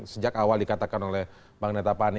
sejak awal dikatakan oleh bang netta pane